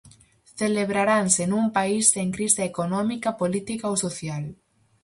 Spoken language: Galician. Celebraranse nun país sen crise económica, política ou social.